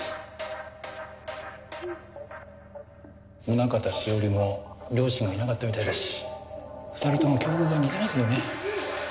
宗方栞も両親がいなかったみたいだし２人とも境遇が似てますよね。